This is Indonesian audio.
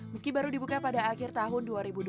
meski baru dibuka pada akhir tahun dua ribu dua puluh